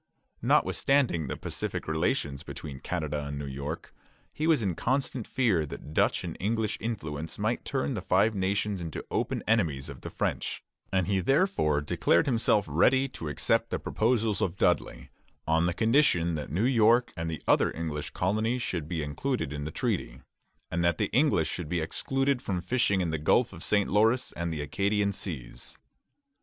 Notwithstanding the pacific relations between Canada and New York, he was in constant fear that Dutch and English influence might turn the Five Nations into open enemies of the French; and he therefore declared himself ready to accept the proposals of Dudley, on condition that New York and the other English colonies should be included in the treaty, and that the English should be excluded from fishing in the Gulf of St. Lawrence and the Acadian seas.